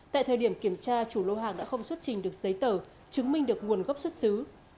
tại thời điểm kiểm tra chủ lô hàng đã không xuất trình được giấy tờ chứng minh được nguồn gốc xuất xứ